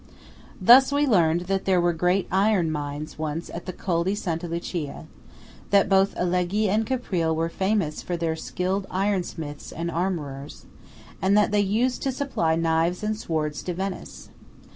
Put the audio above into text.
Thus we learn that there were great iron mines once at the Col di Santa Lucia; that both Alleghe and Caprile were famous for their skilled ironsmiths and armourers; and that they used to supply knives and swords to Venice.